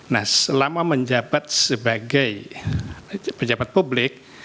nah selama menjabat sebagai pejabat publik